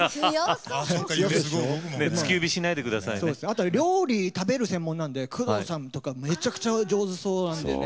あとは料理食べる専門なので工藤さんとかめちゃくちゃ上手そうなんでね。